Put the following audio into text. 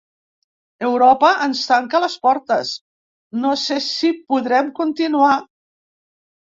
“Europa ens tanca les portes, no sé si podrem continuar”